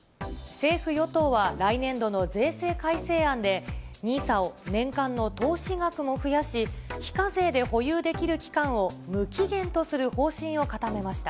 政府・与党は来年度の税制改正案で、ＮＩＳＡを年間の投資額も増やし、非課税で保有できる期間を無期限とする方針を固めました。